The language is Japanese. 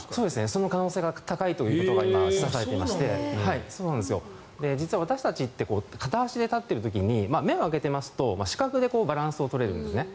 その可能性が高いということがいわれていまして実は私たちって片足で立っている時に目を開けていますと視覚でバランスを取れるんですね。